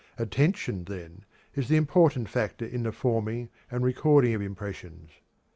Attention, then, is the important factor in the forming and recording of impressions.